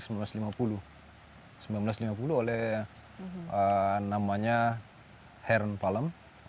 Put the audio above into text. itu dulu dikirim oleh namanya heron palem